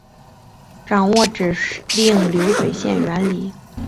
掌握指令流水线原理